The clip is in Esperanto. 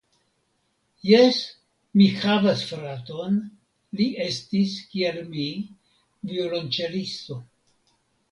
Jes, mi havas fraton, li estis, kiel mi, violonĉelisto.